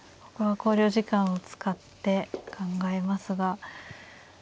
ここは考慮時間を使って考えますが。